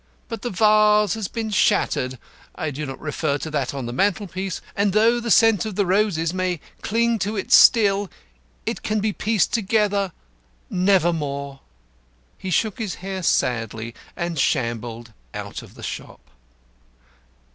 But the vase has been shattered (I do not refer to that on the mantel piece), and though the scent of the roses may cling to it still, it can be pieced together nevermore." He shook his hair sadly and shambled out of the shop.